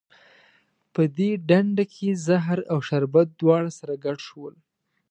په دې ډنډه کې زهر او شربت دواړه سره ګډ شول.